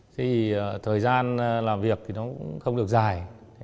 thế thì thời gian làm việc thì nó cũng không được dài